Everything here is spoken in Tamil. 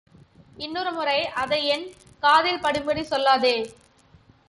இன்னொரு முறை அதை என் காதில் படும்படி சொல்லாதே.